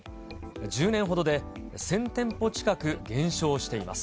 １０年ほどで１０００店舗近く減少しています。